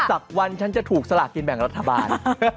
สักวันฉันจะถูกสลากกินแบ่งรัฐบาล